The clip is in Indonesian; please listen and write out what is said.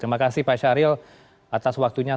terima kasih pak syahril atas waktunya